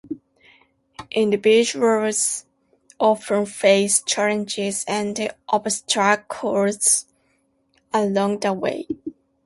Individuals often face challenges and obstacles along the way.